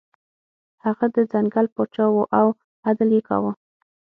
هغه د ځنګل پاچا و او عدل یې کاوه.